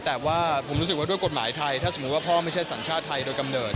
แต่ว่าผมรู้สึกว่าด้วยกฎหมายไทยถ้าสมมุติว่าพ่อไม่ใช่สัญชาติไทยโดยกำเนิด